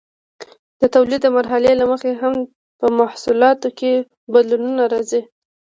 د تولید د مرحلې له مخې هم په محصولاتو کې بدلونونه راځي.